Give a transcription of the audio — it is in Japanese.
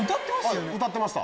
歌ってました。